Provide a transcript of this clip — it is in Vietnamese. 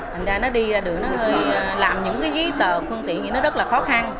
thành ra nó đi ra đường nó hơi làm những cái giấy tờ phương tiện thì nó rất là khó khăn